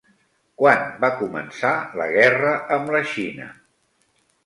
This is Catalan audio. Quan va començar la guerra amb la Xina?